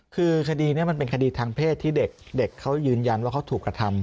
คือคดีนี้มันเป็นคดีทางเพศที่เด็กเขายืนยันว่าเขาถูกกระทำ